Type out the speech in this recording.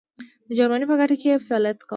د جرمني په ګټه یې فعالیت کاوه.